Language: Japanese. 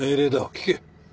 聞け。